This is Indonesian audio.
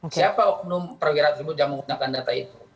siapa oknum perwira tersebut yang menggunakan data itu